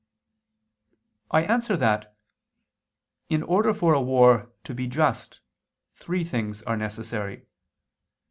I answer that, In order for a war to be just, three things are necessary.